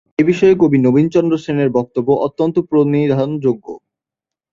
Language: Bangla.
এ বিষয়ে কবি নবীন চন্দ্র সেনের বক্তব্য অত্যন্ত প্রনিধানযোগ্য।